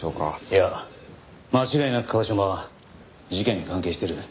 いや間違いなく椛島は事件に関係している。